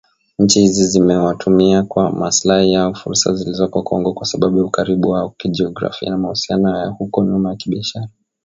Nchi hizi zinawezatumia kwa maslahi yao fursa zilizoko Kongo kwa sababu ya ukaribu wao kijografia na mahusiano ya huko nyuma ya kibiashara